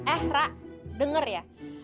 eh rak denger ya